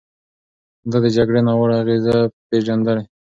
ده د جګړې ناوړه اغېزې پېژندلې.